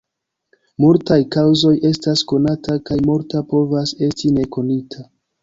Multaj kaŭzoj estas konata, kaj multa povas esti ne konita.